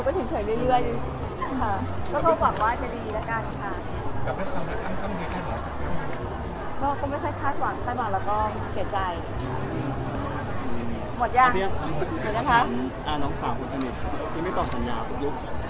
เศรษฐ์ใจหมด